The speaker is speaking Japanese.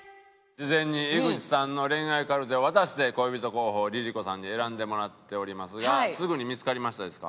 事前に井口さんの恋愛カルテを渡して恋人候補をＬｉＬｉＣｏさんに選んでもらっておりますがすぐに見付かりましたですか？